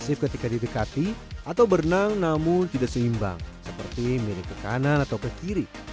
masif ketika didekati atau berenang namun tidak seimbang seperti mirip ke kanan atau ke kiri